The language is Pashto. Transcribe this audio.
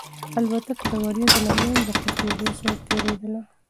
الوتکه د وريځو له منځه په تېزۍ سره تېرېدله.